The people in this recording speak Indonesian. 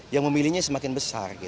yang memilihnya semakin besar